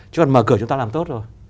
chúng ta mở cửa chúng ta làm tốt rồi